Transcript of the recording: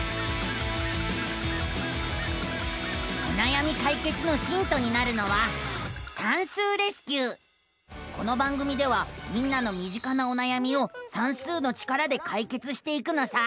おなやみかいけつのヒントになるのはこの番組ではみんなのみ近なおなやみを算数の力でかいけつしていくのさ！